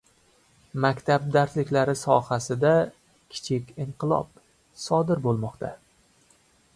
"Maktab darsliklari sohasida \kichik inqilob\" sodir bo‘lmoqda"